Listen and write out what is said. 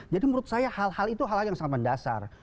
menurut saya hal hal itu hal hal yang sangat mendasar